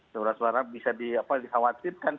surat suara bisa dikhawatirkan